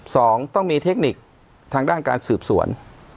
สองต้องมีเทคนิคทางด้านการสืบสวน